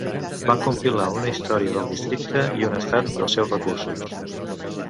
Va compilar una història del districte i un estat dels seus recursos.